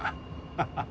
ハハハ。